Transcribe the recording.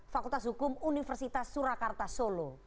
yang mengajukan adalah anak fhu surakarta solo